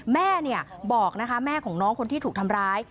แม่บอกนะคะแม่ของน้องคนที่ถูกทำร้าย